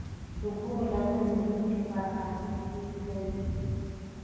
د غرونو لمنې د ځمکې لپاره حاصلخیزې وي.